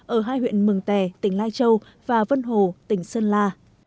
ở hai huyện mường tè tỉnh lai châu và vân hồ tỉnh sơn la